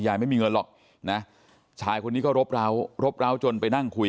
ไม่มีเงินหรอกนะชายคนนี้ก็รบร้ารบร้าวจนไปนั่งคุย